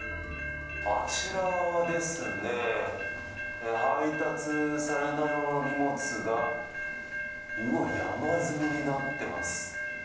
あちらですね、配達されないままの荷物が、うわ、山積みになってます。